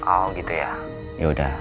oh gitu ya yaudah